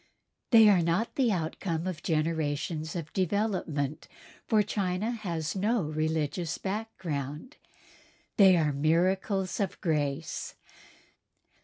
They are not the outcome of generations of development, for China has no religious background. They are miracles of grace.